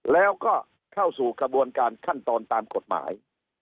แล้วก็เข้าสู่กระบวนการขั้นตอนตามกฎหมาย